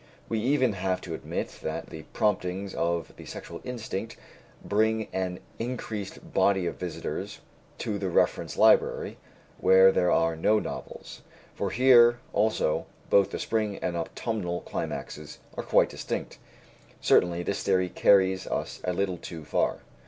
We even have to admit that the promptings of the sexual instinct bring an increased body of visitors to the reference library (where there are no novels), for here, also, both the spring and autumnal climaxes are quite distinct. Certainly this theory carries us a little too far.